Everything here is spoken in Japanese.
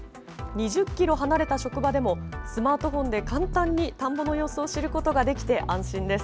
２０ｋｍ離れた職場でもスマートフォンで簡単に田んぼの様子を知ることができて安心です。